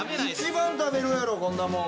一番食べるやろこんなもん。